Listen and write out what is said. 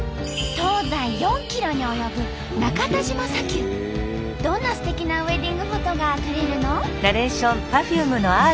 東西４ｋｍに及ぶどんなすてきなウエディングフォトが撮れるの？